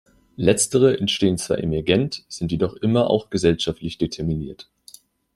Letztere entstehen zwar emergent, sind jedoch immer auch gesellschaftlich determiniert.